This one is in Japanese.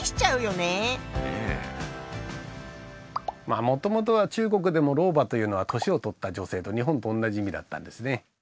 まあもともとは中国でも「老婆」というのは「年をとった女性」と日本と同じ意味だったんですね。